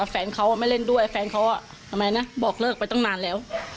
แฟนเขาไม่เล่นด้วยแฟนเขาทำไมนะบอกเลิกไปตั้งนานแล้ว